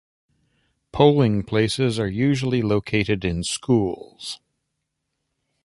Polling places are usually located in schools.